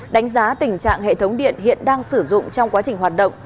đánh giá tình trạng hệ thống điện hiện đang sử dụng trong quá trình hoạt động